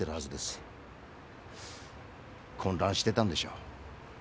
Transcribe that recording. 混乱してたんでしょう。